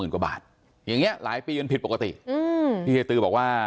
กว่าบาทอย่างนี้หลายปีมันผิดปกติที่เฮียตือบอกว่า